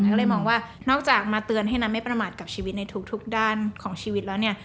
ก็เลยมองว่านอกจากมาเตือนให้นัทไม่ประมาทกับชีวิตในทุกด้านของชีวิตแล้วเนี่ย